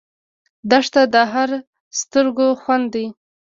دښته د هر سترګو خوند دی.